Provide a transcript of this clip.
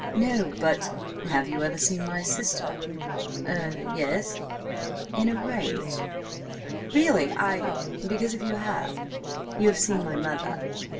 "No–but—" "Have you ever seen my sister?" "Er–yes—" "In a rage?" "Really, I—" "Because, if you have, you have seen my mother.